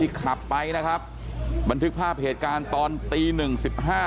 ขับไปนะครับบันทึกภาพเหตุการณ์ตอนตีหนึ่งสิบห้า